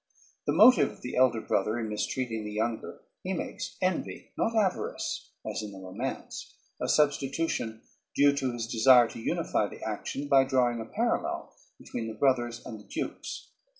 The motive of the elder brother in mistreating the younger he makes envy, not avarice as in the romance, a substitution due to his desire to unify the action by drawing a parallel between the brothers and the dukes.